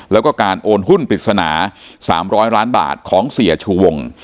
แล้วก็การโอนหุ้นปริศนา๓๐๐ล้านบาทของเสียชูวง